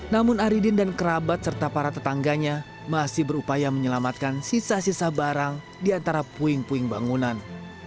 namun aridin dan kerabat serta para tetangganya masih berupaya menyelamatkan sisa sisa barang di antara puing puing bangunan